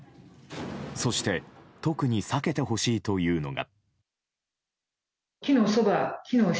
そして特に避けてほしいというのが。